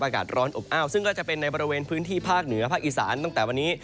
อากาศร้อนอบอ้าวซึ่งก็จะเป็นในบริเวณพื้นที่ภาคเหนือภาคอีสานตั้งแต่วันนี้